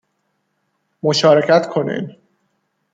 مشارکت کنین